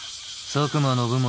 佐久間信盛